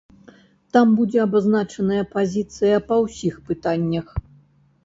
Там будзе абазначаная пазіцыя па ўсіх пытаннях.